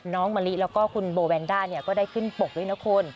มะลิแล้วก็คุณโบแวนด้าก็ได้ขึ้นปกด้วยนะคุณ